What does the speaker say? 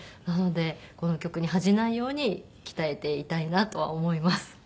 なのでこの曲に恥じないように鍛えていたいなとは思います。